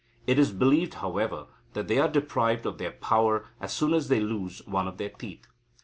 It is believed, however, that they are deprived of their power as soon as they lose one of their teeth.